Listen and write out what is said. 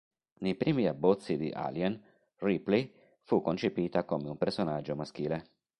Nei primi abbozzi di "Alien", Ripley fu concepita come un personaggio maschile.